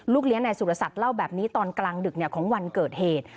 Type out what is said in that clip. เลี้ยงนายสุรศักดิ์เล่าแบบนี้ตอนกลางดึกของวันเกิดเหตุ